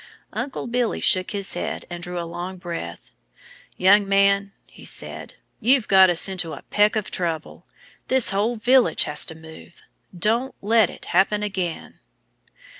Uncle Billy shook his head and drew a long breath. "Young man," he said, "you've got us into a peck of trouble. This whole village has to move. Don't let it happen again!"